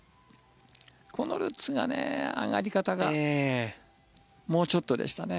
このルッツが上がり方がもうちょっとでしたね。